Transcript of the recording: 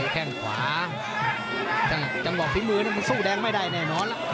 แข่งขวาจังบอกพี่มือเนี่ยมันสู้แดงไม่ได้แน่นอน